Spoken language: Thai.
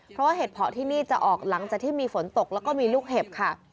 เพราะว่าเห็ดเพาะที่นี่จะออกหลังจากที่มีฝนตกแล้วก็มีลูกเห็บค่ะ